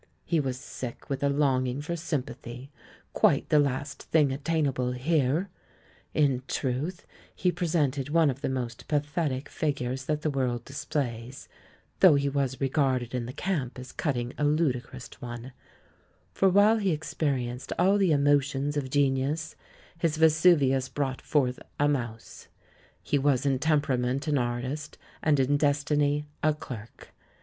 He was sick with a longing for sympathy — quite the last thing attainable here. In truth, he presented one of the most pathetic figures that the world dis plays, though he was regarded in the camp as cutting a ludicrous one, for while he experienced all the emotions of genius, his Vesuvius brought forth a mouse ; he was in temperament an artist, and in destiny a clerk.